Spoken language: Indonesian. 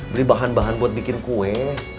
beli bahan bahan buat bikin kue